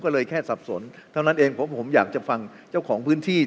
เท่านั้นเองผมอยากจะฟังเจ้าของพื้นที่